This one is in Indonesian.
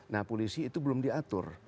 nah polisi itu belum diatur